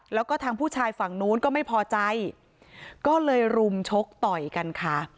แล้วก็ทางผู้ชายฝั่งนู้นก็ไม่พอใจก็เลยรุมชกต่อยกันค่ะ